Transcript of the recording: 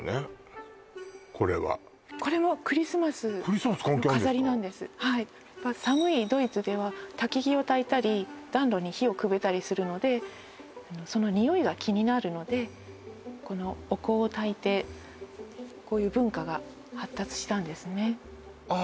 口から私あのかわいいですね寒いドイツでは薪をたいたり暖炉に火をくべたりするのでそのニオイが気になるのでこのお香をたいてこういう文化が発達したんですねああ